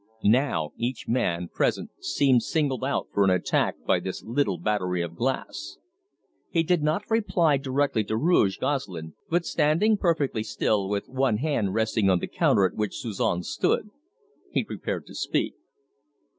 Now each man present seemed singled out for an attack by this little battery of glass. He did not reply directly to Rouge Gosselin, but standing perfectly still, with one hand resting on the counter at which Suzon stood, he prepared to speak.